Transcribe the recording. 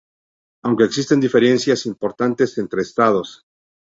Aunque existen diferencias importantes entre estados.